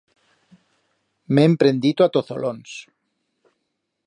M'he emprendito a tozolons.